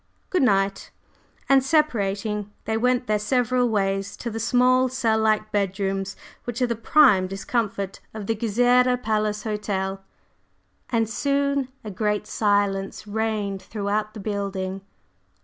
"Good night!" And separating, they went their several ways to the small, cell like bedrooms, which are the prime discomfort of the Gezireh Palace Hotel, and soon a great silence reigned throughout the building.